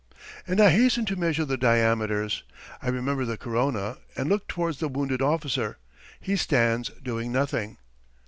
And I hasten to measure the diameters. I remember the corona, and look towards the wounded officer. He stands doing nothing.